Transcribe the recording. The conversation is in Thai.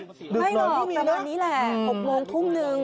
ไม่หรอกประมาณนี้แหละนานที่๖โทมันหนึ่ง